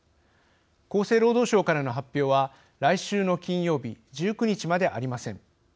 厚生労働省からの発表は来週の金曜日１９日までありません。